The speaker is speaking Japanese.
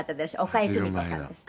岡江久美子さんです」